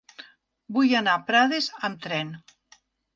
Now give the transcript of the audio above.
Vull anar a Prades amb tren.